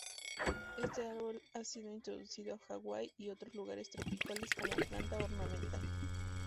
Este árbol ha sido introducido a Hawaii y otros lugares tropicales como planta ornamental.